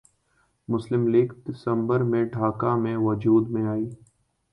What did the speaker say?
مسلم لیگ دسمبر میں ڈھاکہ میں وجود میں آئی